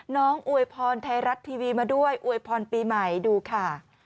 อวยพรไทยรัฐทีวีมาด้วยอวยพรปีใหม่ดูค่ะ